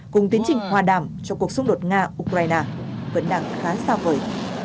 cùng tiến trình hòa đàm cho cuộc xung đột nga ukraine vẫn đang khá xa vời